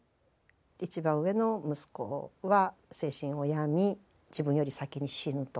一番上の息子は精神を病み自分より先に死ぬと。